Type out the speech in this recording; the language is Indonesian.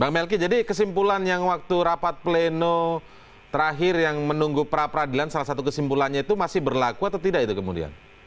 bang melki jadi kesimpulan yang waktu rapat pleno terakhir yang menunggu perapradilan salah satu kesimpulannya itu masih berlaku atau tidak itu kemudian